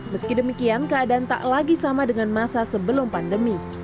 meski demikian keadaan tak lagi sama dengan masa sebelum pandemi